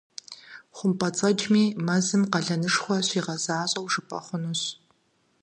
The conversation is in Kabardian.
ХъумпӀэцӀэджхэми мэзым къалэнышхуэ щагъэзащӏэу жыпӏэ хъунущ.